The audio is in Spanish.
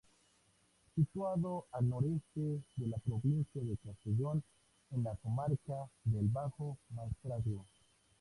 Situado al noroeste de la provincia de Castellón, en la comarca del Bajo Maestrazgo.